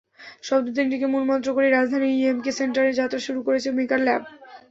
শব্দ তিনটিকে মূলমন্ত্র করেই রাজধানীর ইএমকে সেন্টারে যাত্রা শুরু করেছে মেকার ল্যাব।